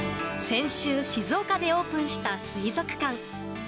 先週、静岡でオープンした水族館。